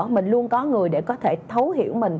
mình luôn có người để có thể thấu hiểu mình